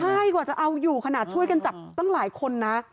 ใช่กว่าจะเอาอยู่ขนาดช่วยกันจับตั้งหลายคนนะ